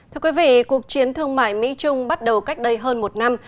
thưa quý vị cuộc chiến thương mại mỹ trung bắt đầu cách đây hơn một năm